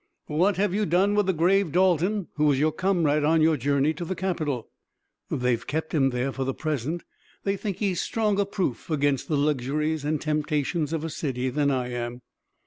"What have you done with the grave Dalton, who was your comrade on your journey to the capital?" "They've kept him there for the present. They think he's stronger proof against the luxuries and temptations of a city than I am."